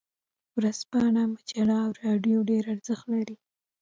ورځپاڼه، مجله او رادیو ډیر ارزښت لري.